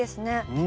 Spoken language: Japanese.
うん。